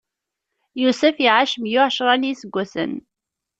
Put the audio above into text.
Yusef iɛac meyya uɛecṛa n iseggasen.